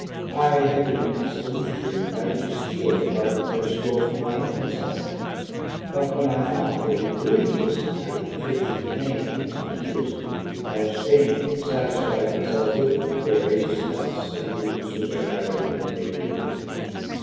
I had been accustomed, during the night, to steal a part of their store for my own consumption; but when I found that in doing this I inflicted pain on the cottagers, I abstained, and satisfied myself with berries, nuts, and roots, which I gathered from a neighbouring wood.